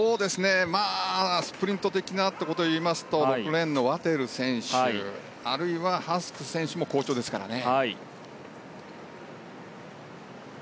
スプリント的なということを言いますと６レーンのワテル選手あるいはハスク選手も好調ですからね。